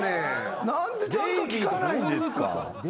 何でちゃんと聴かないんですか。